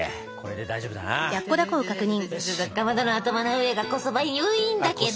かまどの頭の上がこそばゆいんだけど。